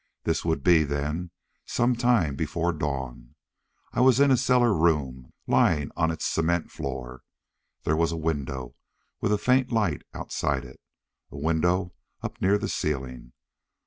This would be, then some time before dawn. I was in a cellar room, lying on its cement floor. There was a window, with a faint light outside it. A window up near the ceiling.